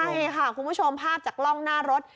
ใช่ค่ะคุณผู้ชมภาพจากกล้องหน้ารถ